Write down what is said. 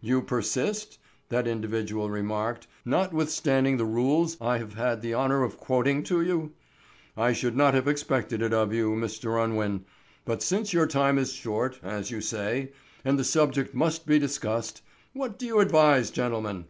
"You persist," that individual remarked, "notwithstanding the rules I have had the honor of quoting to you? I should not have expected it of you, Mr. Unwin; but since your time is short, as you say, and the subject must be discussed, what do you advise, gentlemen?